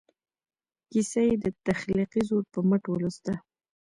کیسه یې د تخلیقي زور په مټ ولوسته.